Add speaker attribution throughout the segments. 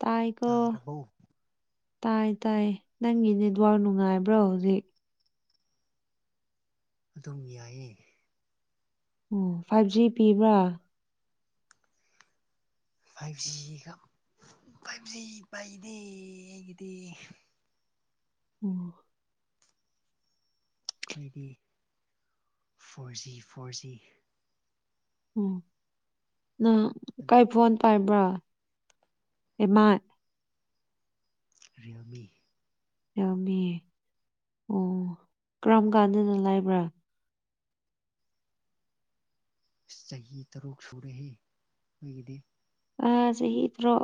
Speaker 1: ꯇꯥꯏꯀꯣ
Speaker 2: ꯇꯥꯔꯕꯧ
Speaker 1: ꯇꯥꯏ ꯇꯥꯏ ꯅꯪꯒꯤ ꯅꯦꯠꯋꯥꯔꯥꯛ ꯅꯨꯡꯉꯥꯏꯕ꯭ꯔꯣ ꯍꯧꯖꯤꯛ
Speaker 2: ꯑꯗꯨꯝ ꯌꯥꯏꯌꯦ
Speaker 1: ꯑꯣ ꯐꯥꯏꯚ ꯖꯤ ꯄꯤꯕ꯭ꯔꯥ
Speaker 2: ꯐꯥꯏꯚꯖꯤꯒ ꯐꯥꯏꯚꯖꯤ ꯄꯥꯏꯗꯤ ꯑꯩꯒꯤꯗꯤ
Speaker 1: ꯎꯝ
Speaker 2: ꯑꯩꯈꯣꯏꯗꯤ ꯐꯣꯔ ꯖꯤ ꯐꯣꯔ ꯖꯤ
Speaker 1: ꯎꯝ ꯅꯪ ꯀꯥꯏ ꯐꯣꯟ ꯄꯥꯏꯕ꯭ꯔꯣ ꯏꯃꯥꯏ
Speaker 2: ꯔꯔꯤꯌꯃꯤ
Speaker 1: ꯌꯥꯃꯤ ꯑꯣ ꯀꯔꯝ ꯀꯥꯟꯗꯅ ꯂꯥꯏꯕ꯭ꯔꯥ
Speaker 2: ꯑꯁ ꯆꯍꯤ ꯇꯔꯨꯛ ꯁꯨꯔꯦꯍꯦ ꯑꯩꯈꯣꯏꯒꯤꯗꯤ
Speaker 1: ꯑ ꯆꯍꯤ ꯊ꯭ꯔꯣ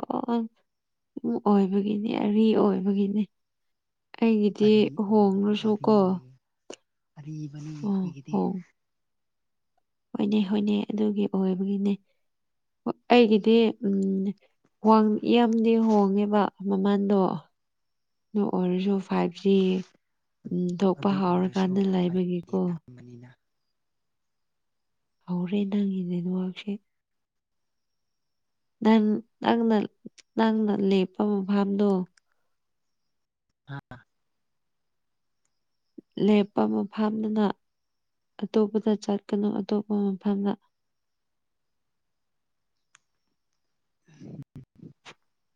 Speaker 1: ꯑꯣꯏꯕꯒꯤꯅꯤ ꯑꯔꯤ ꯑꯣꯏꯕꯒꯤꯅꯤ ꯑꯩꯒꯤꯗꯤ
Speaker 2: ꯑꯔꯤ ꯑꯣꯏꯈ꯭ꯔꯦ
Speaker 1: ꯍꯣꯡꯂꯁꯨ
Speaker 2: ꯑꯔꯤ
Speaker 1: ꯀꯣ
Speaker 2: ꯑꯣꯏ ꯑꯔꯤꯕꯅꯤ
Speaker 1: ꯎꯝ
Speaker 2: ꯑꯩꯈꯣꯏꯒꯤꯗꯤ
Speaker 1: ꯍꯣꯡ ꯍꯣꯏꯅꯦ ꯍꯣꯏꯅꯦ ꯑꯗꯨꯒꯤ ꯑꯣꯏꯕꯒꯤꯅꯦ ꯑꯩꯒꯤꯗꯤ ꯎꯝ ꯌꯥꯝꯗꯤ ꯍꯣꯡꯉꯦꯕ ꯃꯃꯜꯗꯣ ꯅ ꯑꯣꯏꯔꯁꯨ ꯐꯥꯏꯕ ꯁꯤ ꯎ ꯊꯣꯛꯄ
Speaker 2: ꯑꯗꯨ ꯑꯣꯏꯔꯁꯨ
Speaker 1: ꯍꯥꯎꯔꯀꯥꯟꯗ ꯂꯥꯏꯕꯒꯤꯀꯣ
Speaker 2: ꯌꯥꯔꯝꯕꯅꯤꯅ
Speaker 1: ꯍꯧꯔꯦ ꯅꯪꯒꯤ ꯅꯦꯠꯋꯥꯛꯁꯦ ꯅꯪ ꯅꯪꯅ ꯅꯪꯅ ꯂꯦꯞꯄ ꯃꯐꯝꯐꯝꯗꯣ
Speaker 2: ꯍꯥ
Speaker 1: ꯂꯦꯞꯄ ꯃꯐꯝꯗꯨꯅ ꯑꯇꯣꯞꯄꯗ ꯆꯠꯀꯅꯨ ꯑꯇꯣꯞꯄ ꯃꯐꯝꯅ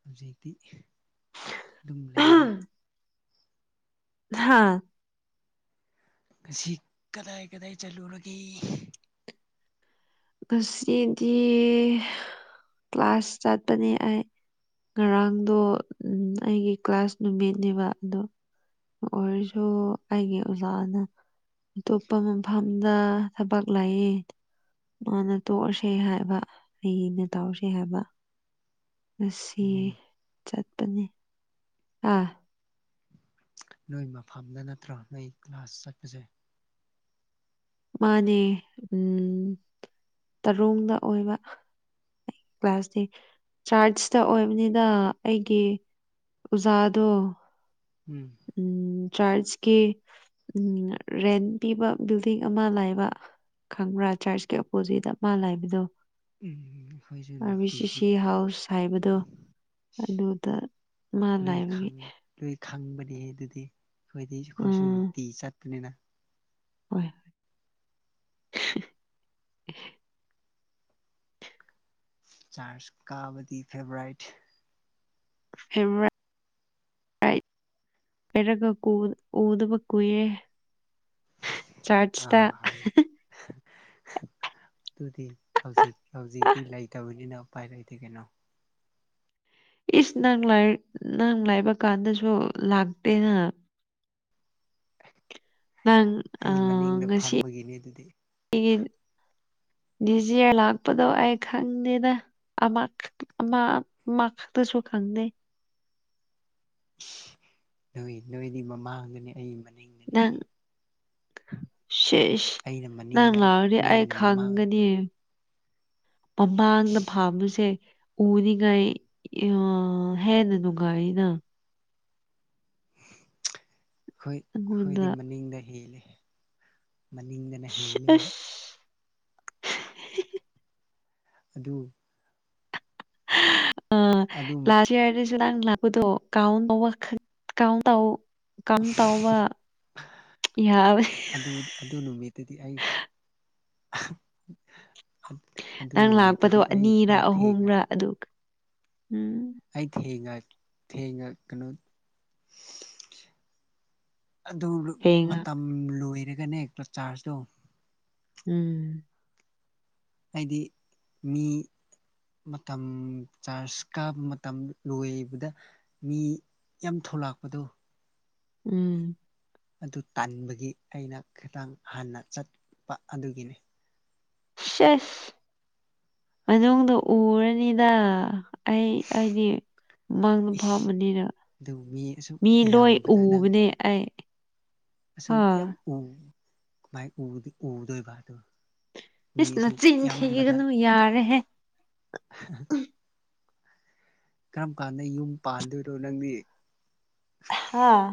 Speaker 2: ꯍꯧꯖꯤꯛꯇꯤ ꯑꯗꯨꯝ ꯂꯩꯔꯦ
Speaker 1: ꯍꯥꯥ
Speaker 2: ꯉꯁꯤ ꯀꯗꯥꯏ ꯀꯗꯥꯏ ꯆꯠꯂꯨꯔꯒꯦ
Speaker 1: ꯉꯁꯤꯗꯤ ꯀ꯭ꯂꯥꯁ ꯆꯠꯄꯅꯦ ꯑꯩ ꯉꯔꯥꯡꯗꯣ ꯑꯩꯒꯤ ꯀ꯭ꯂꯥꯁ ꯅꯨꯃꯤꯠꯅꯦꯕ ꯑꯗꯣ ꯑꯣꯏꯔꯁꯨ ꯑꯩꯒꯤ ꯑꯣꯖꯥꯅ ꯑꯇꯣꯞꯄ ꯃꯐꯝꯗ ꯊꯕꯛ ꯂꯥꯛꯏ ꯃꯥꯅ ꯇꯣꯛꯑꯁꯦ ꯍꯥꯏꯕ ꯍꯌꯦꯡꯅ ꯇꯧꯔꯁꯦ ꯍꯥꯏꯕ ꯉꯁꯤ
Speaker 2: ꯅꯣꯏ
Speaker 1: ꯆꯠꯄꯅꯦ ꯑꯥ
Speaker 2: ꯅꯣꯏ ꯃꯐꯝꯗ ꯅꯠꯇ꯭ꯔꯥ ꯅꯣꯏ ꯀ꯭ꯂꯒꯥꯁ ꯆꯠꯄꯁꯦ
Speaker 1: ꯃꯥꯅꯦ ꯎꯝ ꯇꯔꯨꯡꯗ ꯑꯣꯏꯕ ꯑꯩ ꯀ꯭ꯂꯥꯁꯇ ꯆꯥꯔꯆꯇ ꯑꯣꯏꯕꯅꯤꯅ ꯑꯩꯒꯤ ꯎꯖꯥꯗꯣ
Speaker 2: ꯎꯝ
Speaker 1: ꯎꯝ ꯆꯔꯆꯀꯤ ꯎꯝ ꯔꯦꯟ ꯄꯤꯕ ꯕꯤꯜꯗꯤꯡ ꯑꯃ ꯂꯩꯕ ꯈꯪꯕ꯭ꯔꯥ ꯆꯔꯆꯀꯤ ꯑꯣꯄꯣꯖꯤꯠ ꯑꯃꯥ ꯂꯩꯕꯗꯣ
Speaker 2: ꯎꯝ ꯑꯩꯈꯣꯏꯁꯨ
Speaker 1: ꯑꯥꯔꯕꯤ ꯁꯤ
Speaker 2: ꯅꯨꯡꯇꯤꯒꯤ
Speaker 1: ꯁꯤ ꯍꯥꯎꯁ ꯍꯥꯏꯕꯗꯣ ꯑꯗꯨꯗ ꯃꯥ
Speaker 2: ꯂꯣꯏ
Speaker 1: ꯂꯅꯥꯏꯕꯒꯤ
Speaker 2: ꯈꯪ ꯂꯣꯏ ꯈꯪꯕꯅꯤ ꯑꯗꯨꯗꯤ ꯑꯩꯈꯣꯏꯗꯤ ꯑꯩꯈꯣꯏꯁꯨ ꯅꯨꯡꯇꯤ ꯆꯠꯄꯅꯤꯅ
Speaker 1: ꯍ ꯍ
Speaker 2: ꯆꯥꯔꯖ ꯀꯥꯕꯗꯤ ꯐꯦꯚꯣꯔꯥꯏꯠ
Speaker 1: ꯐꯦꯕ ꯐꯔ ꯀ ꯀ ꯎꯗ ꯄ ꯀꯨꯌꯦ
Speaker 2: ꯑꯥ ꯍꯧꯖꯤ ꯇꯨꯗꯤ ꯍꯧꯖꯤꯛ ꯍꯧꯖꯤꯛꯇꯤ ꯂꯩꯇꯕꯅꯤꯅ ꯎꯄꯥꯏ ꯂꯩꯇꯦ ꯀꯩꯅꯣ
Speaker 1: ꯏꯁ ꯅꯪ ꯅꯪ ꯂꯩꯕ ꯀꯥꯟꯗꯁꯨ ꯂꯥꯛꯇꯦꯅ ꯅꯪ ꯑ
Speaker 2: ꯑꯩ ꯃꯅꯤꯡꯗ
Speaker 1: ꯉꯁꯤ
Speaker 2: ꯐꯝꯕꯒꯤꯅꯤ ꯑꯗꯨꯗꯤ
Speaker 1: ꯑꯩꯒꯤ [unintelligible] ꯗꯤꯖꯤꯌꯥ ꯂꯥꯛꯄꯗꯣ ꯑꯩ ꯈꯪꯗꯦꯗ ꯃ ꯈꯛꯇꯁꯨ ꯈꯪꯗꯦ
Speaker 2: ꯅꯣꯏ ꯅꯣꯏꯗꯤ ꯃꯃꯥꯡꯗꯅꯦ ꯑꯩꯒꯤ ꯃꯅꯤꯡꯗꯅꯤ
Speaker 1: ꯪ ꯁꯦꯁ
Speaker 2: ꯑꯩꯅ
Speaker 1: ꯅꯪ
Speaker 2: ꯃꯅꯤꯡꯗ
Speaker 1: ꯂꯥꯛꯑꯣꯗꯤ ꯑꯩ
Speaker 2: ꯅꯣꯏꯅ ꯃꯃꯥꯡ
Speaker 1: ꯈꯪꯒꯅꯤ ꯃꯃꯥꯡꯗ ꯐꯥꯝꯕꯁꯦ ꯎꯅꯤꯡꯉꯥꯏ ꯍꯦꯟꯅ ꯅꯨꯡꯉꯥꯏꯔꯤꯅ
Speaker 2: ꯑꯩꯈꯣꯏ
Speaker 1: ꯑꯩꯉꯣꯟꯗ
Speaker 2: ꯑꯩꯈꯣꯏꯗꯤ ꯃꯅꯤꯡꯗ ꯍꯦꯜꯜꯂꯤꯦ ꯃꯅꯤꯡꯗꯅ
Speaker 1: ꯑꯁ
Speaker 2: ꯍꯦꯜꯜꯂꯤꯦꯕ ꯑꯗꯨ
Speaker 1: ꯑ
Speaker 2: ꯑꯗꯨꯝ
Speaker 1: ꯂꯥꯁ ꯏꯌꯥꯔꯗꯁꯨ ꯅꯪ ꯂꯥꯛꯗꯣ ꯀꯥꯎꯟ ꯀꯥꯎꯟ ꯇ ꯌꯥꯕꯅꯤ
Speaker 2: ꯑꯗꯨ ꯑꯗꯨ ꯅꯨꯃꯤꯠꯇꯨꯗꯤ ꯑꯩ [inaudible]
Speaker 1: ꯅꯪ ꯂꯥꯛꯄꯗꯣ
Speaker 2: ꯅꯨꯃꯤꯠꯇꯨꯗꯤ ꯑꯩ
Speaker 1: ꯑꯅꯤꯔ
Speaker 2: ꯈꯔ ꯊꯦꯡꯅ
Speaker 1: ꯑꯍꯨꯝꯔ ꯑꯗꯨꯒ ꯎꯝ
Speaker 2: ꯑꯩ ꯊꯦꯡꯉ ꯊꯦꯡꯉ ꯀꯩꯅꯣ ꯑꯗꯨ
Speaker 1: ꯊꯦꯡꯉ
Speaker 2: ꯃꯇꯝ ꯂꯣꯏꯔꯒꯅꯦ ꯆꯥꯔꯖꯇꯣ
Speaker 1: ꯎꯝ
Speaker 2: ꯍꯥꯏꯗꯤ ꯃꯤ ꯃꯇꯝ ꯆꯥꯔꯖ ꯀꯥꯕ ꯃꯇꯝ ꯂꯣꯏꯕꯗ ꯃꯤ ꯌꯥꯝ ꯊꯣꯂꯥꯛꯄꯗꯨꯣ
Speaker 1: ꯎꯝ
Speaker 2: ꯑꯗꯨ ꯇꯥꯟꯕꯒꯤ ꯑꯩꯅ ꯈꯤꯇꯪ ꯍꯥꯟꯅ ꯆꯠꯄ ꯑꯗꯨꯒꯤꯅꯤ
Speaker 1: ꯁꯁ ꯃꯅꯨꯡꯗ ꯎꯔꯅꯤꯗ ꯑꯩ ꯑꯩꯗꯤ ꯃꯥꯡꯗ
Speaker 2: ꯏꯁ
Speaker 1: ꯐꯥꯝꯕꯅꯤꯅ
Speaker 2: ꯑꯗꯨ ꯑꯁꯨꯛ
Speaker 1: ꯃꯤ ꯂꯣꯏ
Speaker 2: ꯌꯥꯝꯕꯗ ꯅꯪ
Speaker 1: ꯎꯕꯅꯦ ꯑꯩ
Speaker 2: ꯑꯁꯨꯛ ꯌꯥꯝ
Speaker 1: ꯑꯥ
Speaker 2: ꯎꯥꯏ ꯎꯗꯣꯏꯕ ꯑꯗꯨ
Speaker 1: ꯏꯁꯁ ꯅꯆꯤꯟ ꯊꯤꯒꯅꯨ ꯌꯥꯔꯦꯍꯦ
Speaker 2: [inaudible] ꯀꯔꯝ ꯀꯥꯟꯗ ꯌꯨꯝ ꯄꯥꯟꯗꯣꯏꯔꯣ ꯅꯪꯗꯤ
Speaker 1: ꯍꯥꯥ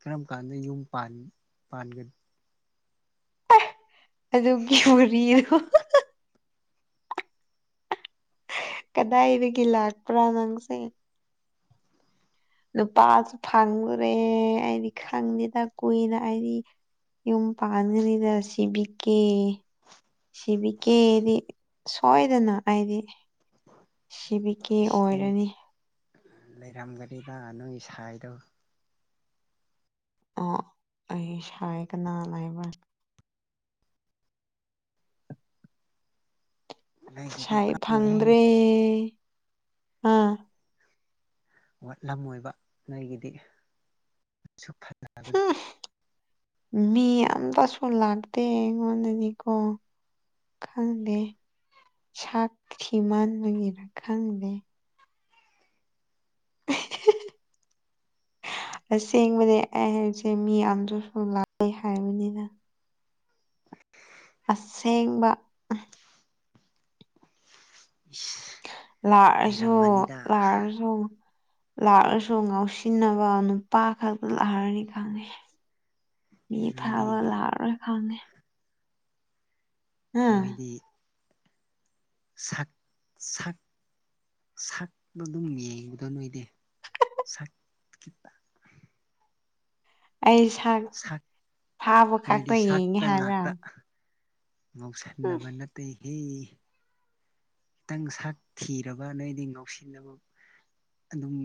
Speaker 2: ꯀꯔꯝ ꯀꯥꯟꯗ ꯌꯨꯝ ꯄꯥꯟꯒ
Speaker 1: ꯑꯗꯨꯒꯤ ꯍꯔꯤꯗꯣ ꯀꯗꯥꯏꯗꯒꯤ ꯂꯥꯛꯄ꯭ꯔꯥ ꯅꯪꯁꯦ ꯅꯨꯄꯥꯁꯨ ꯐꯪꯂꯨꯔꯦ ꯑꯩꯗꯤ ꯈꯪꯗꯦꯗ ꯀꯨꯏꯅ ꯑꯩꯗꯤ ꯌꯨꯝ ꯄꯥꯟꯒꯅꯤꯗ ꯁꯤꯕꯤꯛꯀꯦ ꯁꯤꯕꯤꯀꯦꯗꯤ ꯁꯣꯏꯗꯅ ꯑꯩꯗꯤ ꯁꯤꯕꯤ ꯀꯦ
Speaker 2: ꯅꯪ
Speaker 1: ꯑꯣꯏꯔꯅꯤ
Speaker 2: ꯂꯩꯔꯝꯒꯅꯤꯗ ꯅꯪꯒꯤ ꯁꯥꯏꯗꯣ
Speaker 1: ꯑꯣ ꯑꯩꯁ ꯍꯥꯏ ꯀꯅꯥ ꯂꯕ
Speaker 2: ꯅꯣꯏꯒꯤꯗꯤ
Speaker 1: ꯁꯥꯏ
Speaker 2: ꯋꯥꯠꯂꯝꯃꯦꯍꯦ
Speaker 1: ꯐꯪꯗ꯭ꯔꯦ ꯑꯥ
Speaker 2: ꯋꯥꯠꯂꯝ ꯑꯣꯏꯕ ꯅꯣꯏꯒꯤꯗꯤꯁꯨ ꯐꯖꯕꯗ
Speaker 1: ꯍꯨꯝ ꯃꯤ ꯑꯇꯁꯨ ꯂꯥꯛꯇꯦ ꯑꯩꯉꯣꯟꯗꯗꯤꯀꯣ ꯈꯪꯗꯦ ꯁꯥꯛꯁꯤ ꯃꯟꯕꯒꯤꯦꯅ ꯈꯪꯗꯦ
Speaker 2: [unintelligible]
Speaker 1: ꯑꯁꯦꯡꯕꯗꯤ ꯑꯩ ꯍꯥꯏꯁꯦ ꯃꯤ ꯌꯥꯝꯗꯁꯨ ꯂꯥꯛꯑꯣꯏ ꯍꯥꯏꯕꯅꯤꯅ
Speaker 2: [unintelligible]
Speaker 1: ꯑꯁꯦꯡꯕ
Speaker 2: [unintelligible]
Speaker 1: ꯂꯥꯛꯑꯁꯨ
Speaker 2: ꯂꯩꯔꯝꯃꯅꯤꯗ
Speaker 1: ꯂꯥꯛꯑꯁꯨ ꯂꯥꯛꯑꯁꯨ ꯉꯥꯎꯁꯤꯟꯅꯕ ꯅꯨꯄꯥ ꯈꯛꯇ ꯂꯥꯛꯔꯅꯤ ꯈꯪꯉꯦ ꯃꯤ
Speaker 2: ꯅꯣꯏꯗꯤ
Speaker 1: ꯊꯥꯕ ꯂꯥꯔ ꯑꯣꯏ ꯈꯥꯉꯦ ꯎꯝ
Speaker 2: ꯅꯣꯏꯗꯤ ꯁꯛ ꯁꯛꯄ ꯑꯗꯨꯝ ꯌꯦꯡꯕꯗꯣ ꯅꯣꯏꯗꯤꯦ ꯁꯛ
Speaker 1: ꯑꯩ ꯁꯥꯛ
Speaker 2: ꯁꯛ
Speaker 1: ꯐꯥꯕ
Speaker 2: ꯅꯣꯏꯗꯤ
Speaker 1: ꯈꯛꯇ ꯌꯦꯡꯉꯦ
Speaker 2: ꯁꯛꯇ
Speaker 1: ꯍꯥꯏꯕ꯭ꯔꯥ
Speaker 2: ꯉꯥꯛꯇ
Speaker 1: ꯎꯝ
Speaker 2: ꯃꯧꯁꯟꯅꯕ ꯅꯠꯇꯦꯍꯦ ꯈꯤꯇꯪ ꯁꯛ ꯊꯤꯔꯕ ꯅꯣꯏꯗꯤ ꯉꯧꯁꯤꯟꯅꯕ ꯑꯗꯨꯝ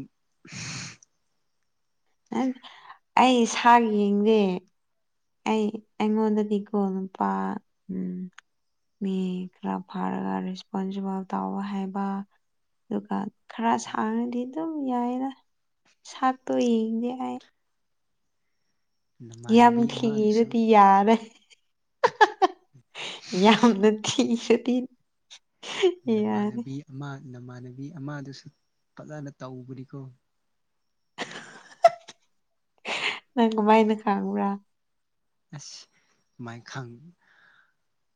Speaker 1: ꯑꯩ ꯏꯁꯥꯒꯤ ꯌꯦꯡꯁꯦ ꯑꯩ ꯑꯉꯗ ꯊꯤꯀꯣꯅ ꯄꯥ ꯎꯝ ꯃꯤ ꯈꯔ ꯐꯥꯔꯒ ꯔꯦꯁꯄꯣꯟꯁꯤꯕꯜ ꯇꯥꯎ ꯍꯥꯏꯕ ꯑꯗꯨꯒ ꯈꯔ ꯁꯥꯡꯔꯗꯤ ꯑꯗꯨꯝ ꯌꯥꯏꯅ ꯁꯥꯛꯇꯣ ꯌꯦꯡꯗꯦ ꯑꯩ ꯌꯥꯝ
Speaker 2: ꯅꯃꯥꯟꯅꯕꯤ ꯑꯃꯗꯨꯁꯨ
Speaker 1: ꯊꯤꯔꯗꯤ ꯌꯥꯔꯦ ꯌꯥꯝ ꯅ ꯊ ꯁꯇ
Speaker 2: ꯅꯃꯥꯟꯅꯕꯤ ꯑꯃ ꯅꯃꯥꯟꯅꯕꯤ ꯑꯃꯗꯨꯁꯨ ꯐꯖꯅ ꯇꯧꯕꯅꯤꯀꯣ
Speaker 1: ꯅꯪ ꯀꯃꯥꯏꯅ ꯈꯥꯡꯉꯕ꯭ꯔꯥ
Speaker 2: ꯑꯁ ꯃꯥꯏ ꯈꯪ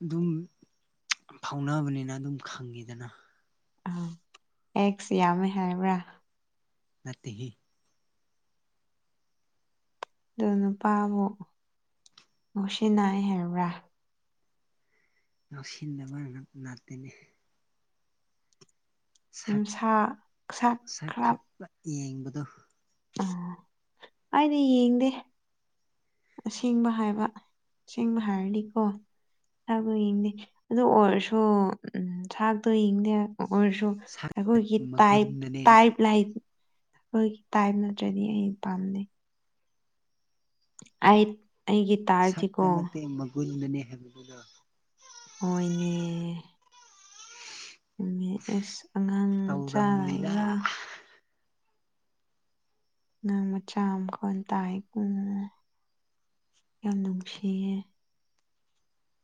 Speaker 2: ꯑꯗꯨꯝ ꯐꯥꯎꯅꯕꯅꯤꯅ ꯑꯗꯨꯝ ꯈꯪꯉꯤꯗꯅ
Speaker 1: ꯑꯥ ꯑꯦꯛꯁ ꯌꯥꯝꯃꯦ ꯍꯥꯏꯕ꯭ꯔꯥ
Speaker 2: ꯅꯠꯇꯒꯤ
Speaker 1: ꯑꯣ ꯅꯨꯄꯥꯕꯨ ꯃꯨꯁꯤ ꯅꯥꯏ ꯍꯥꯏꯕ꯭ꯔꯥ
Speaker 2: ꯉꯥꯎꯁꯤꯟꯅꯕ ꯉ ꯉꯥꯛꯇꯅꯤ ꯁꯛ
Speaker 1: ꯅꯨꯡꯁꯥ ꯁꯥ
Speaker 2: ꯁꯛ
Speaker 1: ꯈꯔ
Speaker 2: ꯈꯛꯇ ꯌꯦꯡꯕꯗꯣ
Speaker 1: ꯑꯩꯗꯤ ꯌꯦꯡꯗꯦ ꯑꯁꯦꯡꯕ ꯍꯥꯏꯕ ꯑꯁꯦꯡꯕ ꯍꯥꯏꯔꯗꯤꯀꯣ ꯊꯥꯛꯇꯣ ꯌꯦꯡꯗꯦ ꯑꯗꯨ ꯑꯣꯏꯔꯁꯨ ꯊꯥꯛꯇꯣ ꯌꯦꯡꯗꯦ ꯑꯣꯏꯔꯁꯨ
Speaker 2: ꯁꯛ
Speaker 1: ꯑꯩꯈꯣꯏꯒꯤ ꯇꯥꯏ
Speaker 2: ꯃꯒꯨꯟꯗꯅꯦ
Speaker 1: ꯇꯥꯏꯞ ꯂꯥꯏ ꯑꯩꯈꯣꯏꯒꯤ ꯇꯥꯏꯝ ꯅꯠꯇ꯭ꯔꯗꯤ ꯑꯩ ꯄꯥꯝꯅꯩ ꯍꯥꯏ ꯑꯩꯒꯤ ꯇꯥꯏꯞꯇꯤꯀꯣ
Speaker 2: ꯁꯛꯇ ꯅꯠꯇꯦ ꯃꯒꯨꯟꯗꯅꯤ ꯍꯥꯏꯕꯗꯨꯗ
Speaker 1: ꯍꯣꯏꯅꯦ ꯑꯦꯁ ꯑꯉꯥꯡ ꯃꯆꯥ
Speaker 2: ꯇꯧꯔꯝꯃꯣꯏꯗ
Speaker 1: ꯂꯩꯕ꯭ꯔꯥ ꯑꯉꯥꯡ ꯃꯆꯥ ꯑꯃ ꯃꯈꯣꯟ ꯇꯥꯏꯀ ꯌꯥꯝ ꯅꯨꯡꯁꯤꯌꯦ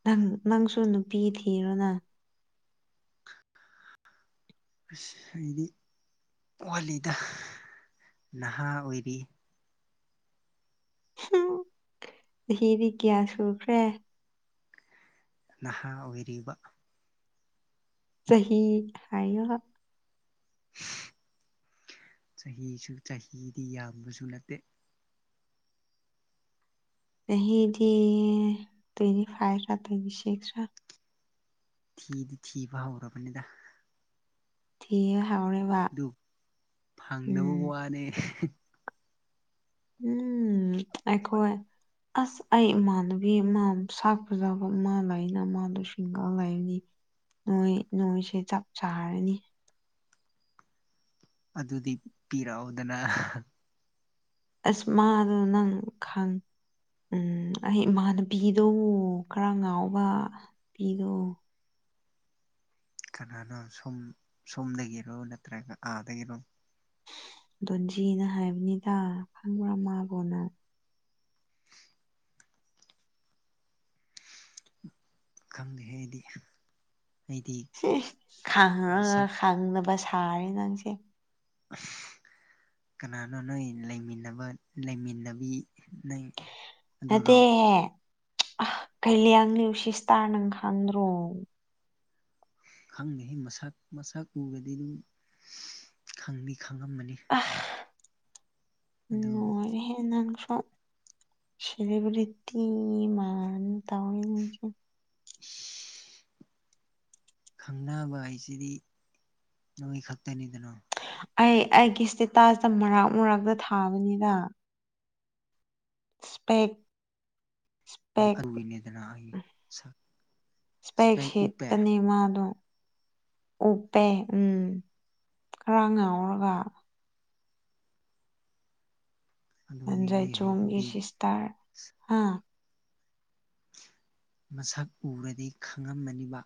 Speaker 1: ꯅꯪ ꯅꯪꯁꯨ ꯅꯨꯄꯤ ꯊꯤꯔꯣꯅ
Speaker 2: ꯑꯁ ꯍꯥꯏꯗꯤ ꯄꯨꯋꯥꯋꯥꯂꯤꯗ ꯅꯍꯥ ꯑꯣꯏꯔꯤ
Speaker 1: ꯆꯍꯤ ꯀ꯭ꯌꯥ ꯁꯨꯈ꯭ꯔꯦ
Speaker 2: ꯅꯍꯥ ꯑꯣꯏꯔꯤꯕ
Speaker 1: ꯆꯍꯤꯍꯤ ꯍꯥꯏ
Speaker 2: ꯆꯍꯤꯁꯨ ꯆꯍꯤꯗꯤ ꯌꯥꯝꯕꯁꯨ ꯅꯠꯇꯦ
Speaker 1: ꯌꯥꯗꯤ ꯇ꯭ꯋꯦꯟꯇꯤ ꯐꯥꯏꯚ ꯔ ꯇ꯭ꯋꯦꯟꯇꯤ ꯁꯤꯁ ꯔ
Speaker 2: ꯊꯤꯗꯤ ꯊꯤꯕ ꯍꯧꯔꯕꯅꯤꯗ
Speaker 1: ꯊꯤꯕ ꯍꯧꯔꯦ
Speaker 2: ꯑꯗꯨ ꯐꯪꯗꯕ ꯋꯥꯅꯦ
Speaker 1: ꯎꯝ ꯑꯩꯈꯣꯏ ꯑꯁ ꯑꯩ ꯏꯃꯥꯟꯅꯕꯤ ꯑꯗꯒꯤ ꯃꯥ ꯁꯥꯛꯄꯖꯥꯕ ꯃꯥ ꯂꯩꯅ ꯃꯥꯗꯣ ꯁꯤꯡꯒ ꯂꯩꯕꯅꯤ ꯅꯣꯏ ꯅꯣꯏꯁꯦ ꯆꯞ ꯆꯥꯔꯅꯤ
Speaker 2: ꯑꯗꯨꯗꯤ ꯄꯤꯔꯛꯑꯣꯗꯅ
Speaker 1: ꯑꯁ ꯃꯥꯗꯣ ꯅꯪ ꯈꯪ ꯎꯝ ꯑꯩ ꯏꯃꯥꯅ ꯄꯤꯗꯣ ꯈꯔ ꯉꯥꯎꯕ ꯄꯤꯗꯣ
Speaker 2: ꯀꯅꯥꯅꯣ ꯁꯨꯝ ꯁꯣꯝꯗꯒꯤꯔꯣ ꯅꯠꯇ꯭ꯔꯒ ꯑꯥꯗꯒꯤꯔꯣ
Speaker 1: ꯗꯣꯟꯖꯤꯅ ꯍꯥꯏꯕꯅꯤꯗ ꯈꯪꯕ꯭ꯔꯥ ꯃꯥꯕꯣꯅ
Speaker 2: ꯈꯪꯗꯦꯍꯦ ꯑꯩꯗꯤ ꯑꯩꯗꯤ
Speaker 1: ꯁꯤꯁ ꯈꯥꯡꯉꯒ
Speaker 2: ꯃꯁꯛ
Speaker 1: ꯈꯪꯅꯕ ꯁꯥꯔꯦ ꯅꯪꯁꯦ
Speaker 2: ꯑꯁ ꯀꯅꯥꯅꯣ ꯅꯣꯏ ꯂꯩꯃꯤꯟꯅꯕ ꯂꯩꯃꯤꯟꯅꯕꯤ ꯅꯪ ꯑꯗꯨꯔꯣ
Speaker 1: ꯅꯠꯇꯦ ꯑ ꯀꯩ ꯂꯩ ꯌꯥꯡꯂꯤ ꯎꯁꯤꯁꯇꯥꯥꯔ ꯅꯪ ꯈꯪꯗ꯭ꯔꯣ
Speaker 2: ꯈꯪꯅꯤ ꯃꯁꯛ ꯃꯁꯛ ꯎꯔꯗꯤ ꯑꯗꯨꯝ ꯈꯪꯅꯤ ꯈꯪꯉꯝꯃꯅꯤ ꯑꯗꯨ
Speaker 1: ꯅꯣꯏꯔꯦꯍꯦ ꯅꯪꯁꯨ ꯁꯦꯂꯤꯕ꯭ꯔꯤ ꯇꯤ ꯃꯥꯟ ꯇꯧꯔꯦ [unintelligible]
Speaker 2: [inaudible] ꯈꯪꯅꯕ ꯍꯥꯏꯁꯤꯗꯤ ꯅꯣꯏ ꯈꯛꯇꯅꯤꯗꯅꯣ
Speaker 1: ꯑꯩ ꯑꯩꯒꯤ ꯏꯁꯇꯦꯇꯥꯁꯇ ꯃꯔꯥꯛ ꯃꯔꯛꯇ ꯊꯥꯕꯅꯤꯅ ꯁꯄꯦꯞ
Speaker 2: ꯑꯗꯨ
Speaker 1: ꯏꯁꯄꯦꯛ
Speaker 2: ꯑꯗꯨꯒꯤꯅꯤꯗꯅ ꯑꯩ ꯁꯛ
Speaker 1: ꯏꯁꯄꯦꯛ ꯁꯤꯦꯠꯇꯅꯤ ꯃꯥꯗꯣ ꯎꯞꯄꯦ ꯎꯝ ꯈꯔ ꯉꯥꯎꯔꯒ
Speaker 2: ꯑꯗꯨꯅꯤ
Speaker 1: ꯖꯥꯏ
Speaker 2: ꯑꯩ
Speaker 1: ꯆꯒꯤꯦ
Speaker 2: ꯍꯥꯏꯗꯨꯗꯤ
Speaker 1: ꯁꯤꯤꯁ ꯇꯔ ꯍꯥꯥ
Speaker 2: ꯃꯁꯛ ꯎꯔꯗꯤ ꯈꯪꯉꯝꯃꯅꯤꯕ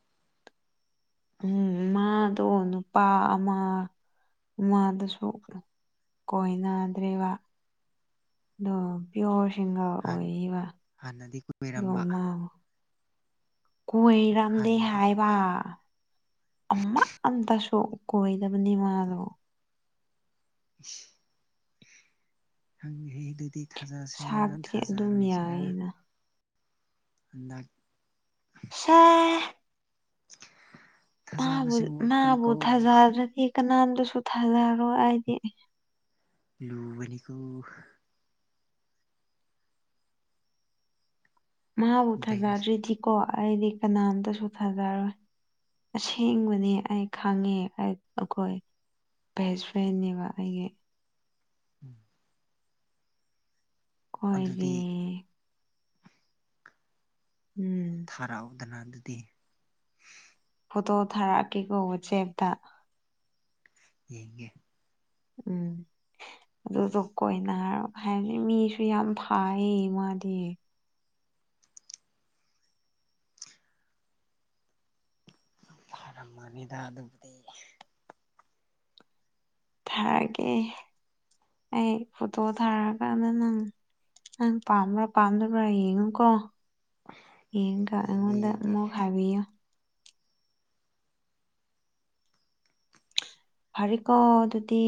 Speaker 1: ꯎꯝ ꯃꯥꯗꯣ ꯅꯨꯄꯥ ꯑꯃ ꯎꯃꯥꯗꯁꯨ ꯀꯣꯏꯅꯗ꯭ꯔꯦꯕ
Speaker 2: [inaudible]
Speaker 1: ꯑꯗꯣ ꯄꯤꯌꯣꯔ ꯁꯤꯡꯒꯔ
Speaker 2: ꯍꯥꯟ
Speaker 1: ꯑꯣꯏꯔꯤꯕ
Speaker 2: ꯍꯥꯟꯅꯗꯤ
Speaker 1: ꯑꯣ
Speaker 2: ꯀꯣꯏꯔꯝꯕ
Speaker 1: ꯃꯥꯥꯡꯉꯣ ꯀꯔꯝꯗꯦ
Speaker 2: ꯍꯥꯟꯅꯗꯤ
Speaker 1: ꯍꯥꯏ ꯋꯥ ꯑꯃ ꯑꯝꯇꯁꯨ ꯀꯣꯏꯗꯕꯅꯤ ꯃꯥꯗꯣ
Speaker 2: ꯑ [unintelligible] ꯍꯪꯗꯦꯍꯦ ꯑꯗꯨꯗꯤ ꯊꯥꯖꯥꯁꯤꯔ
Speaker 1: ꯁꯥꯛꯇꯤ ꯑꯗꯨꯝ
Speaker 2: ꯊꯥꯖꯔꯣꯏꯁꯤꯔꯥ
Speaker 1: ꯌꯥꯏꯅ
Speaker 2: [inaudible]
Speaker 1: ꯁꯥꯏ
Speaker 2: ꯊꯥꯖꯕꯁꯦ
Speaker 1: ꯃꯥꯕꯨ
Speaker 2: ꯋꯥꯠꯄꯅꯤꯀꯣ
Speaker 1: ꯊꯥꯖꯗ꯭ꯔꯗꯤ ꯀꯅꯥꯝꯗꯁꯨ ꯊꯥꯖꯔꯣꯏ ꯑꯥꯏꯗꯤ
Speaker 2: ꯂꯨꯕꯅꯤꯀꯣ
Speaker 1: ꯃꯥꯕꯨ
Speaker 2: ꯗꯥꯏꯔꯁ
Speaker 1: ꯊꯥꯖꯗ꯭ꯔꯤꯗꯤꯀꯣ ꯑꯩꯗꯤ ꯀꯅꯥꯝꯇꯁꯨ ꯊꯥꯖꯔꯣꯏ ꯑꯁꯦꯡꯕꯅꯤ ꯑꯩ ꯈꯪꯉꯦ ꯑꯩꯈꯣꯏ ꯕꯦꯁ ꯐ꯭ꯔꯦꯟꯅꯦꯕ ꯑꯩꯒꯤ
Speaker 2: ꯎꯝ [unintelligible]
Speaker 1: ꯍꯣꯏꯕꯦ
Speaker 2: ꯑꯗꯨꯗꯤ
Speaker 1: ꯎꯝ
Speaker 2: ꯍꯥꯔꯥꯎꯗꯅ ꯑꯗꯨꯗꯤ
Speaker 1: ꯐꯣꯇꯣ ꯊꯥꯔꯛꯀꯦꯀꯣ ꯋꯥꯆꯦꯞꯇ
Speaker 2: ꯌꯦꯡꯒꯦ
Speaker 1: ꯎꯝ ꯑꯗꯨꯗ ꯀꯣꯏꯅ ꯍꯥꯏꯔ ꯍꯥꯏꯕꯗꯤ ꯃꯤꯁꯨ ꯌꯥꯝ ꯐꯥꯏ ꯃꯥꯗꯤ
Speaker 2: ꯐꯔꯝꯃꯅꯤꯗ ꯑꯗꯨꯕꯨꯗꯤ
Speaker 1: ꯊꯥꯔꯒꯦ ꯑꯩ ꯐꯣꯇꯣ ꯊꯥꯔꯀꯥꯟꯗ ꯅꯪ ꯑꯪ ꯄꯥꯝꯕ꯭ꯔꯣ ꯄꯥꯝꯗꯕ꯭ꯔ ꯌꯦꯉꯣꯀꯣ ꯌꯦꯡꯀ
Speaker 2: ꯌꯦꯡꯒꯦ
Speaker 1: ꯑꯩꯉꯣꯟꯗ
Speaker 2: ꯌꯦꯡꯒꯦ
Speaker 1: ꯑꯃꯨꯛ ꯍꯥꯏꯕꯤꯌꯨ ꯐꯔꯤꯀꯣ ꯑꯗꯨꯗꯤ